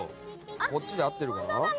こっちで合ってるかな？